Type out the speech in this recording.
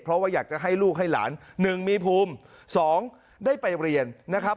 เพราะว่าอยากจะให้ลูกให้หลาน๑มีภูมิ๒ได้ไปเรียนนะครับ